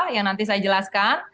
yang nanti saya jelaskan